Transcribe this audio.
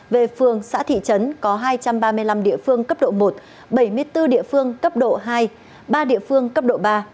về phường xã thị trấn có hai trăm ba mươi năm địa phương cấp độ một bảy mươi bốn địa phương cấp độ hai ba địa phương cấp độ ba